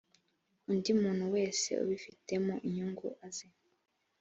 undi muntu wese ubifitemo inyungu aze